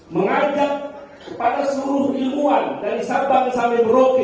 mengajak kepada seluruh ilmuwan dari sabang sampai merauke